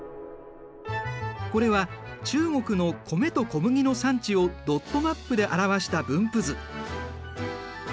これは中国の米と小麦の産地をドットマップで表した分布図。